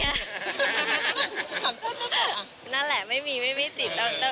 หันเติ้ลเต้ลป่ะนั่นแหละไม่มีไม่ติด